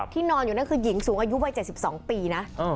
นอนอยู่นั่นคือหญิงสูงอายุวัย๗๒ปีนะ